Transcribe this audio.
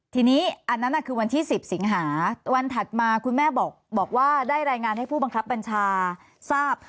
ทีนี้อันนั้นคือวันที่๑๐สิงหาวันถัดมาคุณแม่บอกว่าได้รายงานให้ผู้บังคับบัญชาทราบ